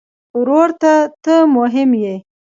ورور ته ته مهم یې.